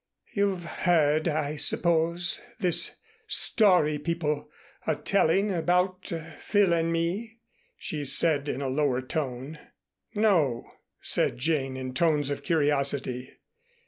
"You've heard, I suppose, this story people are telling about Phil and me," she said in a lower tone. "No," said Jane in tones of curiosity.